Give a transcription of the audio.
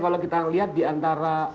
kalau kita lihat diantara